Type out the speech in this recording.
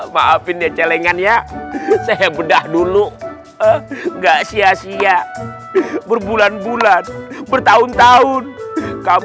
maafin dia celengan ya saya bedah dulu enggak sia sia berbulan bulan bertahun tahun